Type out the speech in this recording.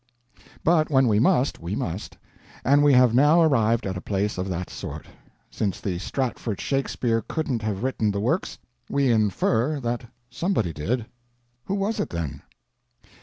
But when we must, we must; and we have now arrived at a place of that sort.... Since the Stratford Shakespeare couldn't have written the Works, we infer that somebody did. Who was it, then?